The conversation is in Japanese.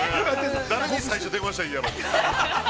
◆誰に最初電話したらいいんやろって。